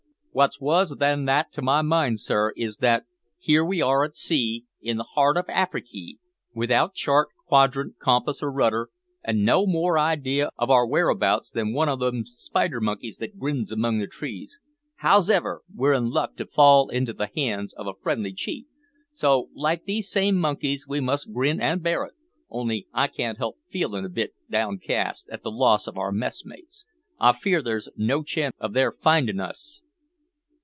"Wot's wuss than that to my mind, sir, is, that here we are at sea, in the heart of Afriky, without chart, quadrant, compass, or rudder, an' no more idea of our whereabouts than one o' them spider monkeys that grins among the trees. Hows'ever, we're in luck to fall into the hands of a friendly chief, so, like these same monkeys, we must grin an' bear it; only I can't help feelin' a bit cast down at the loss of our messmates. I fear there's no chance of their findin' us."